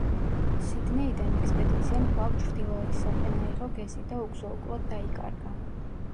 სიდნეიდან ექსპედიციამ კვლავ ჩრდილოეთისაკენ აიღო გეზი და უგზო-უკვლოდ დაიკარგა.